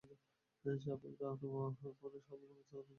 সাবেরা আনোয়ার পানাশ হাবের প্রধান নির্বাহী কর্মকর্তা।